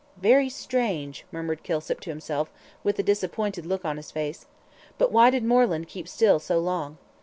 "Very strange," murmured Kilsip, to himself, with a disappointed look on his face. "But why did Moreland keep still so long?"